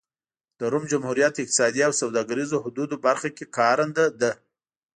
د روم جمهوریت اقتصادي او سوداګریزو حدودو برخه کې کارنده ده.